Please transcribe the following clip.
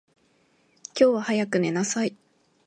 今日は早く寝なさい。